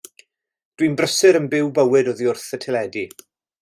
Dwi'n brysur yn byw bywyd oddi wrth y teledu.